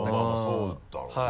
そうだろうね。